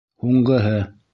Һуңғыһы.